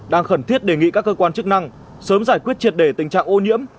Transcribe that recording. đang khẩn thiết đề nghị các cơ quan chức năng sớm giải quyết triệt đề tình trạng ô nhiễm